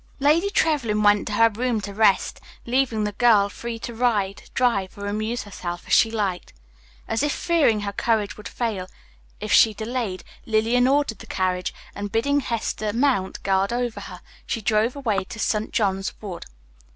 Lady Trevlyn went to her room to rest, leaving the girl free to ride, drive, or amuse herself as she liked. As if fearing her courage would fail if she delayed, Lillian ordered the carriage, and, bidding Hester mount guard over her, she drove away to St. John's Wood.